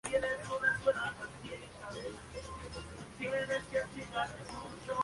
En el mismo contexto, ha apoyado es la modificación de la ley de pesca.